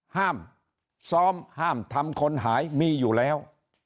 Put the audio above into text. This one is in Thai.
ห้ามซ้อมห้ามทำคนหายมีอยู่แล้ว